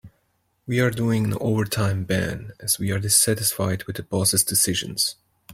We are doing an overtime ban as we are dissatisfied with the boss' decisions.